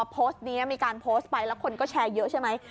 เพราะว่าคนก็เยอะนะคะแถวนี้